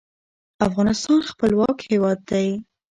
افغانستان خپلواک هیواد دی.